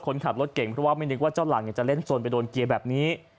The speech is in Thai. คนขับรถเก่งเพราะว่าไม่นึกว่าเจ้าหลังจะเล่นสนไปโดนเกียร์แบบนี้